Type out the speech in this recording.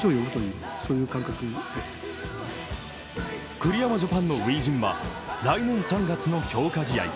栗山ジャパンの初陣は来年３月の強化試合。